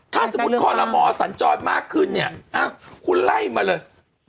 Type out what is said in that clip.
ถ้าสมมุติคอลโลมอสัญจรมากขึ้นเนี่ยคุณไล่มาเลย